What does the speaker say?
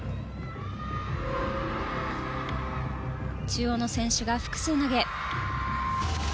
中央の選手が複数投げ。